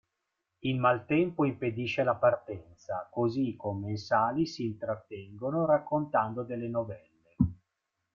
Il maltempo impedisce la partenza, così i commensali s'intrattengono raccontando delle novelle.